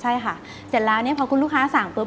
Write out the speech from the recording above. ใช่ค่ะเสร็จแล้วเนี่ยพอคุณลูกค้าสั่งปุ๊